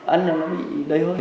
ăn là nó bị đầy hơi